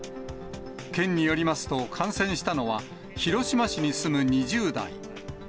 県によりますと、感染したのは、広島市に住む２０代。